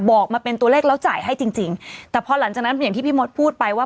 บอกมาเป็นตัวเลขแล้วจ่ายให้จริงจริงแต่พอหลังจากนั้นอย่างที่พี่มดพูดไปว่า